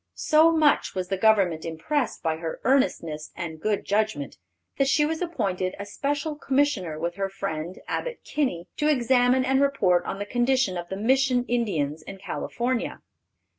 So much was the Government impressed by her earnestness and good judgment, that she was appointed a Special Commissioner with her friend, Abbott Kinney, to examine and report on the condition of the Mission Indians in California.